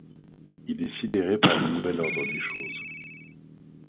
Il est sidéré par le nouvel ordre des choses.